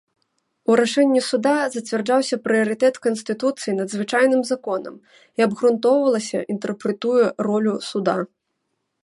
У рашэнні суда зацвярджаўся прыярытэт канстытуцыі над звычайным законам і абгрунтоўвалася інтэрпрэтуе ролю суда.